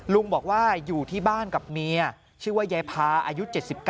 ลุงบอกว่าอยู่ที่บ้านกับเมียชื่อว่ายายพาอายุ๗๙